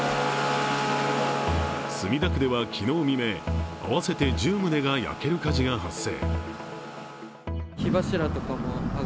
墨田区では昨日未明合わせて１０棟が焼ける火事が発生。